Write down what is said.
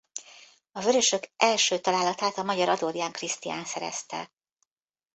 A Vörösök első találatát a magyar Adorján Krisztián szerezte.